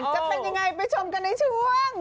จะเป็นยังไงไปชมกันในช่วง